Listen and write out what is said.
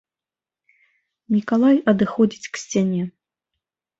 Мікалай адыходзіць к сцяне.